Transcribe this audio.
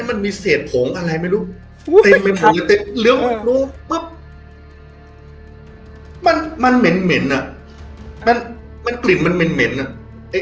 มันมีเศษผงอะไรไม่รู้ไม่รู้มันมันเหม็นเหม็นอ่ะมันมันกลิ่นมันเหม็นเหม็นอ่ะ